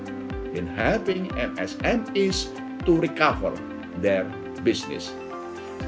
menolong msme untuk mengembangkan bisnis mereka